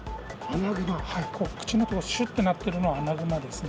口元がしゅっとなっているのはアナグマですね。